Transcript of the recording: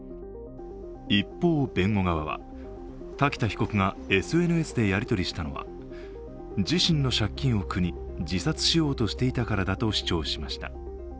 一方、弁護側は、瀧田被告がＳＮＳでやり取りしたのは自身の借金を苦に自殺しようとしていたからだと主張しました。